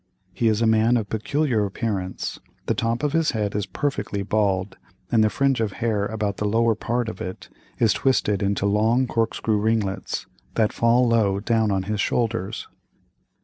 He is a man of peculiar appearance; the top of his head is perfectly bald, and the fringe of hair about the lower part of it, is twisted into long corkscrew ringlets, that fall low down on his shoulders.